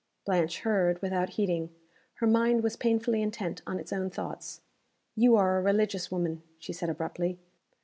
Blanche heard, without heeding. Her mind was painfully intent on its own thoughts. "You are a religious woman," she said, abruptly.